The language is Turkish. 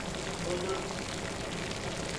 Buldun.